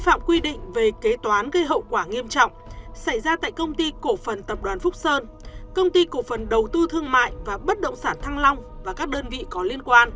cơ quan cảnh sát điều tra bộ công an ra quyết định khởi tố vụ án gây hậu quả nghiêm trọng xảy ra tại công ty cổ phần tập đoàn phúc sơn công ty cổ phần đầu tư thương mại và bất động sản thăng long và các đơn vị có liên quan